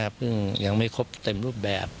ซึ่งยังไม่ครบเต็มรูปแบบ